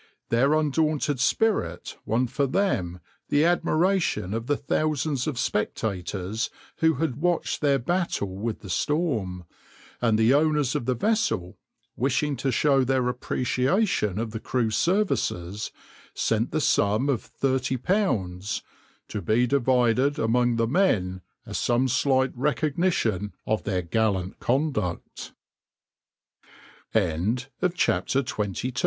Their undaunted spirit won for them the admiration of the thousands of spectators who had watched their battle with the storm, and the owners of the vessel, wishing to show their appreciation of the crew's services, sent the sum of £30 "to be divided among the men as some slight recognition of their gallant condu